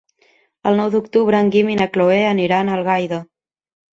El nou d'octubre en Guim i na Cloè aniran a Algaida.